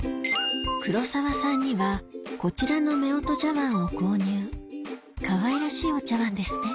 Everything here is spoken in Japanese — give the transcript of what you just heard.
黒沢さんにはこちらの夫婦茶碗を購入かわいらしいお茶碗ですね